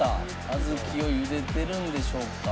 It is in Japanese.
小豆をゆでてるんでしょうか？